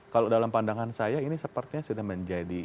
kalau dalam pandangan saya ini sepertinya sudah menjadi